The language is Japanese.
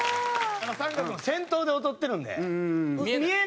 あの三角の先頭で踊ってるんで。